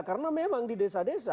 karena memang di desa desa